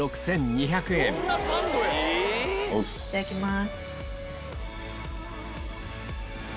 いただきます。